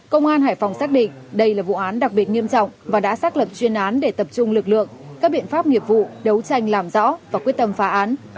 công an hải phòng xác định đây là vụ án đặc biệt nghiêm trọng và đã xác lập chuyên án để tập trung lực lượng các biện pháp nghiệp vụ đấu tranh làm rõ và quyết tâm phá án